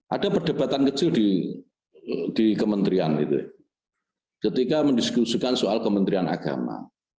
ada perdebatan kecil di kementerian ketika mendiskusikan soal kementerian agama